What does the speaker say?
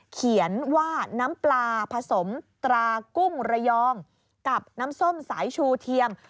เขียนว่าน้ำปลาผสมตรากุ้งระยองกับน้ำส้มสายชูเทียม